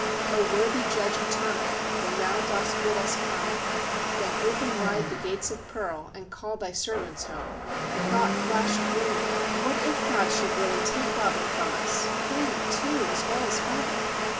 O worthy Judge eternal! When Thou dost bid us come, Then open wide the gates of pearl, And call Thy servants home," the thought flashed through me, "What if God should really take Robin from us,—him, too, as well as father!"